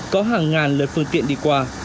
có hàng ngàn lượt phương tiện đi qua